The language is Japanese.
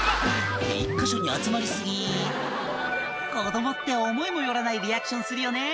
１か所に集まり過ぎ子供って思いも寄らないリアクションするよね